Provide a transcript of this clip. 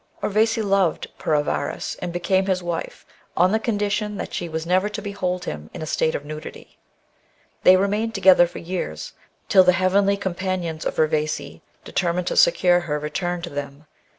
Urvagi loved Pura varas and became his wife, on the condition that she was never to behold him in a state of nudity. They remained together for years, till the heavenly com panions of UrvaQi determined to secure her return to them.